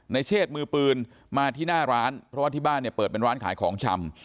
เชษมือปืนมาที่หน้าร้านเพราะว่าที่บ้านเนี่ยเปิดเป็นร้านขายของชำ